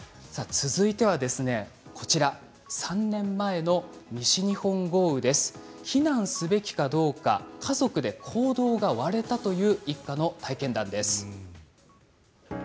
続いては３年前の西日本豪雨で避難すべきかどうか家族で行動が割れたという一家の体験談です。